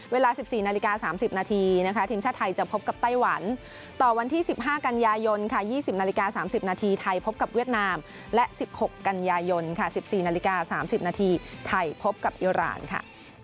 เวลา๑๔นาฬิกา๓๐นาทีนะคะทีมชาติไทยจะพบกับไต้หวันต่อวันที่๑๕กันยายนค่ะ๒๐นาฬิกา๓๐นาทีไทยพบกับเวียดนามและ๑๖กันยายนค่ะ๑๔นาฬิกา๓๐นาทีไทยพบกับอิราณค่ะ